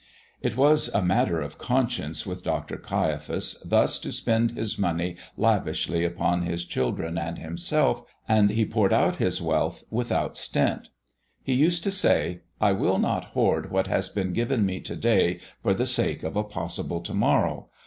It was a matter of conscience with Dr. Caiaphas thus to spend his money lavishly upon his children and himself, and he poured out his wealth without stint. He used to say, "I will not hoard what has been given me to day for the sake of a possible to morrow.